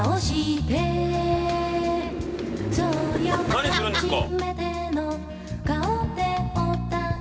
何するんですか。